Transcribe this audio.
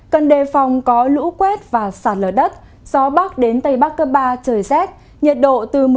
cần đề phòng có lũ quét và sạt lở đất gió bắc đến tây bắc cấp ba trời rét nhiệt độ từ một mươi sáu đến hai mươi bốn độ